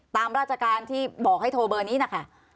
ตามราชการที่บอกให้โทรเบอร์นี้นะคะ